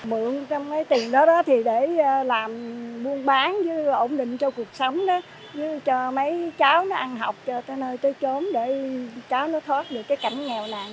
mượn trong mấy tiền đó thì để làm buôn bán với ổn định cho cuộc sống đó cho mấy cháu nó ăn học cho tới nơi tới trốn để cháu nó thoát được cái cảnh nghèo này